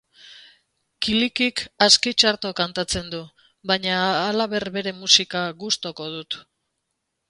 Kilikik aski txarto kantatzen du, baina halaber bere musika gustoko dut